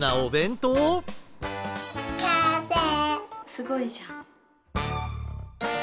すごいじゃん。